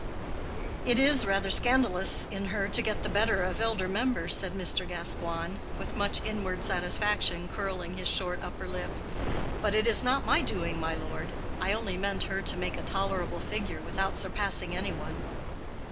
"It is rather scandalous in her to get the better of elder members," said Mr. Gascoigne, with much inward satisfaction curling his short upper lip. "But it is not my doing, my lord. I only meant her to make a tolerable figure, without surpassing any one."